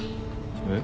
えっ？